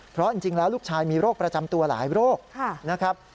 เพราะจริงแล้วลูกชายมีโรคประจำตัวหลายโรคนะครับ